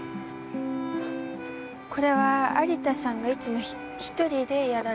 これは有田さんがいつも一人でやられてるんですか？